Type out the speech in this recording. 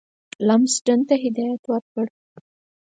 لمسډن ته هدایت ورکړ.